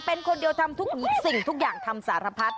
เป็นคนเดียวทำทุกสิ่งทุกอย่างทำสารพัด